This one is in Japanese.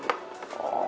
ああ。